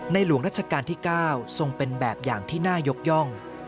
หลวงรัชกาลที่๙ทรงเป็นแบบอย่างที่น่ายกย่อง